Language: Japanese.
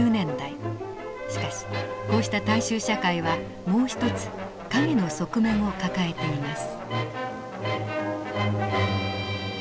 しかしこうした大衆社会はもう一つ陰の側面を抱えています。